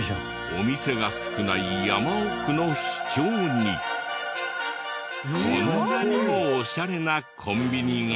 お店が少ない山奥の秘境にこんなにもオシャレなコンビニが。